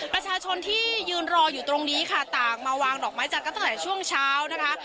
ประชาชนที่ยืนรออยู่ตรงนี้ค่ะต่างมาวางดอกไม้จันทร์ตั้งแต่ช่วงเช้านะคะ